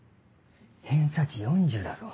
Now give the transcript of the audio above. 偏差値４０だぞ